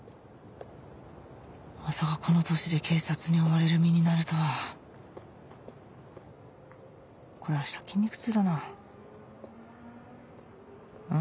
この年で警察に追われる身になるとはこれあした筋肉痛だなん？